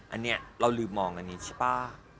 อันเนี่ยเราลืมออกอันนี้ใช่ป่ะมันแบบการเมืองเยอะแยะ